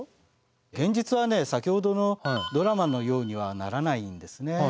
現実はね先ほどのドラマのようにはならないんですね。